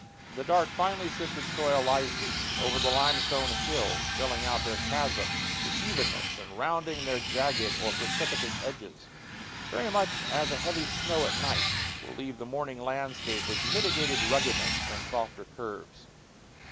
The dark, finely sifted soil lies deep over the limestone hills, filling out their chasms to evenness, and rounding their jagged or precipitous edges, very much as a heavy snow at night will leave the morning landscape with mitigated ruggedness and softer curves.